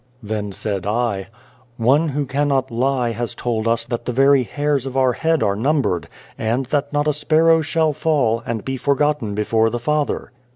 '" Then said I, "One Who cannot lie has told us that the very hairs of our head are numbered, and that not a sparrow shall fall, and be forgotten before the Father."